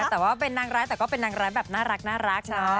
แต่ว่าเป็นนางร้ายแต่ก็เป็นนางร้ายแบบน่ารักเนาะ